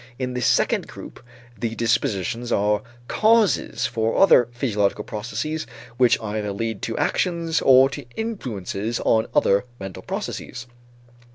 In this second group, the dispositions are causes for other physiological processes which either lead to actions or to influences on other mental processes.